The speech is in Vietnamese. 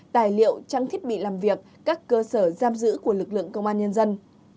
tài liệu trang thiết bị làm việc các cơ sở giam giữ của lực lượng công an nhân dân